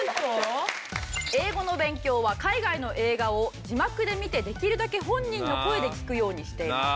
「英語の勉強は海外の映画を字幕で見てできるだけ本人の声で聴くようにしています」。